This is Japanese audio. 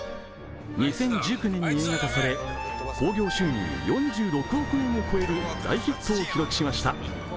２０１９年に映画化され、興行収入４６億円を超える大ヒットを記録しました。